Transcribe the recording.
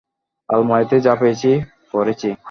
আলমারিতে যা পেয়েছি, পরেছি।